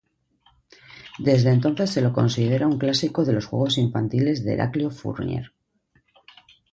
Desde entonces se lo considera un clásico de los juegos infantiles de Heraclio Fournier.